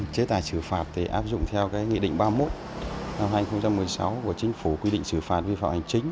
chế tài xử phạt áp dụng theo nghị định ba mươi một năm hai nghìn một mươi sáu của chính phủ quy định xử phạt vi phạm hành chính